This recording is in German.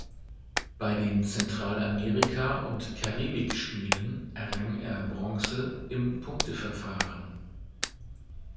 Bei den Zentralamerika- und Karibikspielen errang er Bronze im Punktefahren.